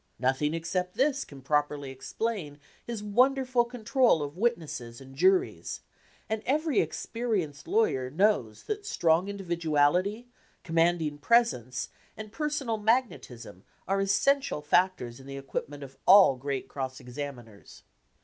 Nothing except this can properly explain his wonderful control of witnesses and juries, and every experienced lawyer knows that strong individuality, commanding presence, and per sonal magnetism are essential factors in the equipment of all great cross examiners.